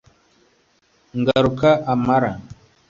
ngaruka amara